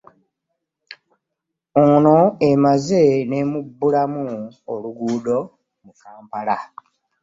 Ono emaze n'emubbulamu oluguudo mu Kampala.